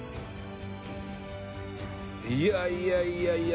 「いやいやいやいや